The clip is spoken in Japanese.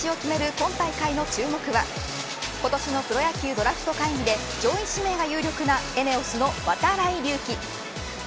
今大会の注目は今年のプロ野球ドラフト会議で上位指名が有力なＥＮＥＯＳの渡会隆輝。